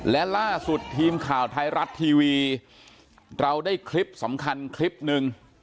และล่าสุดทีมข่าวไทยรัฐทีวีเราได้คลิปสำคัญคลิปหนึ่ง